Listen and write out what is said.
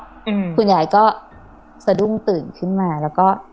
อืมคุณยายก็สะดุ้งตื่นขึ้นมาแล้วก็